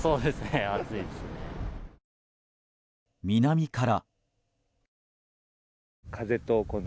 南から。